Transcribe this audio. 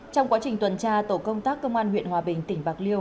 trong quá trình tuần tra tổ công tác công an huyện hòa bình tỉnh bạc liêu